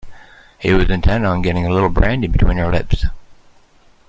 He was intent on getting a little brandy between her lips.